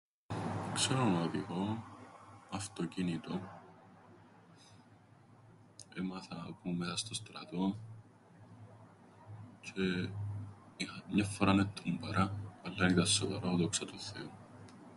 Ξέρω να οδηγώ αυτοκίνητον. Έμαθα που 'μουν μέσα στον στρατόν, τζ̆αι... είχα, μιαν φοράν εττούμπαρα, αλλά εν ήταν σοβαρόν, δόξα τον θεόν.